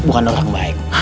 bukan orang baik